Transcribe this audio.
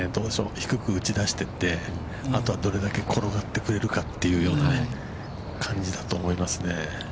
低く打ち出していって、あとは、どれだけ転がってくれるかというような感じだと思いますね。